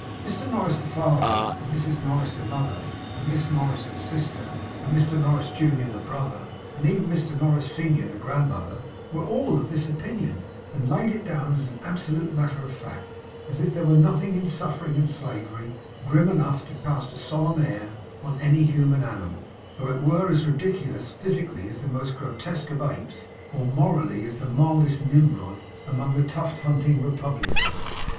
Mr Norris the father, and Mrs Norris the mother, and Miss Norris the sister, and Mr Norris Junior the brother, and even Mrs Norris Senior the grandmother, were all of this opinion, and laid it down as an absolute matter of fact as if there were nothing in suffering and slavery, grim enough to cast a solemn air on any human animal; though it were as ridiculous, physically, as the most grotesque of apes, or morally, as the mildest Nimrod among tuft hunting republicans!